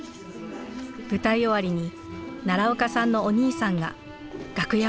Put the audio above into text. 舞台終わりに奈良岡さんのお兄さんが楽屋を訪ねてくれました。